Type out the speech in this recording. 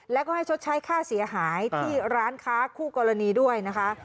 แล้วก็ให้ชดใช้ค่าเสียหายที่ร้านค้าคู่กรณีด้วยนะคะ